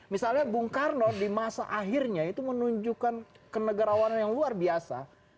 misalnya bung karno di masa akhirnya itu menunjukkan kenegarawanan yang luar biasa